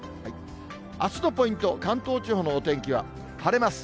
あすのポイント、関東地方のお天気は晴れます。